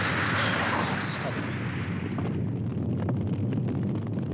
爆発したで。